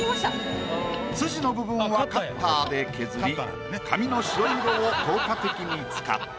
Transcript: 筋の部分はカッターで削り紙の白色を効果的に使った。